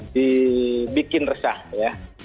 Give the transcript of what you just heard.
dibikin resah ya